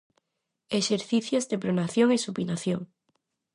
Exercicios de pronación e supinación.